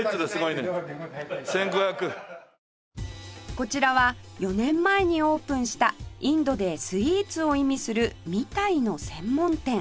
こちらは４年前にオープンしたインドでスイーツを意味する「ミタイ」の専門店